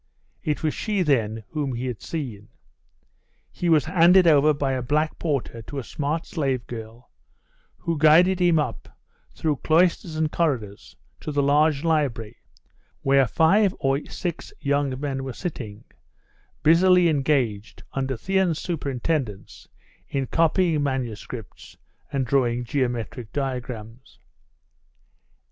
It was she, then, whom he had seen!.... He was handed over by a black porter to a smart slave girl, who guided him up, through cloisters and corridors, to the large library, where five or six young men were sitting, busily engaged, under Theon's superintendence, in copying manuscripts and drawing geometric diagrams.